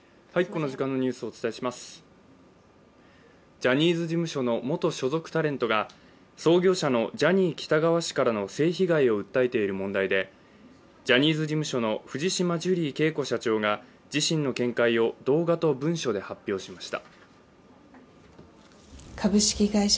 ジャニーズ事務所の元所属タレントが創業者のジャニー喜多川氏からの性被害を訴えている問題でジャニーズ事務所の藤島ジュリー景子社長が自身の見解を、動画と文書で発表しました。